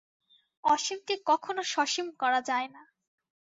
অসীমকে কখনও সসীম করা যায় না।